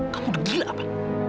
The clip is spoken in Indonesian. kamu degila apa